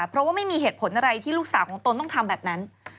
เพราะว่าไม่มีเหตุผลอะไรที่ลูกสาวของตนต้องทำแบบนั้น